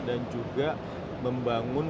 dan juga membangun